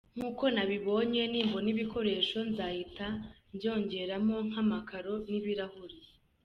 Nk’uko nabibonye, nimbona ibikoresho nzahita mbyongeramo, nk’amakaro n’ibirahuri.